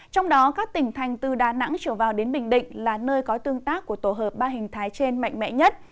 trong đó các tỉnh thành từ đà nẵng trở vào đến bình định là nơi có tương tác của tổ hợp ba hình thái trên mạnh mẽ nhất